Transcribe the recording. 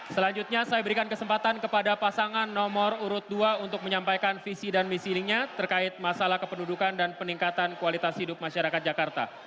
selanjutnya saya berikan kesempatan kepada pasangan nomor urut dua untuk menyampaikan visi dan misi ini terkait masalah kependudukan dan peningkatan kualitas hidup masyarakat jakarta